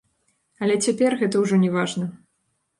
Але цяпер гэта ўжо не важна.